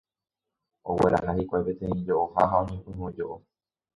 Ogueraha hikuái peteĩ jo'oha ha oñepyrũ ojo'o.